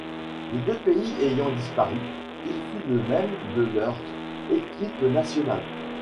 Les deux pays ayant disparu, il en fut de même de leurs équipes nationales.